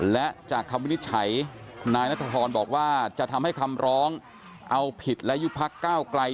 และจากคำวินิจฉัยนายนัทพรบอกว่าจะทำให้คำร้องเอาผิดและยุบพักก้าวไกล